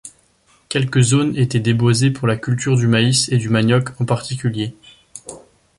Quelques zones étaient déboisées pour la culture du maïs et du manioc en particulier.